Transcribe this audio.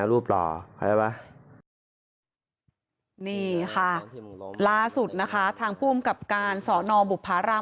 รูปหล่อเค้าได้ปะนี่ค่ะล่าสุดนะคะทางผู้อำกับการสอนอบุภาราม